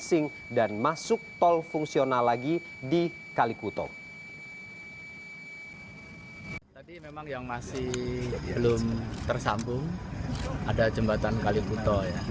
kami di gringsing dan masuk tol fungsional lagi di kalikuto